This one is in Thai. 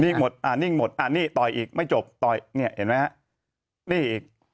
หมดอ่านิ่งหมดอ่านี่ต่อยอีกไม่จบต่อยเนี่ยเห็นไหมฮะนี่อีก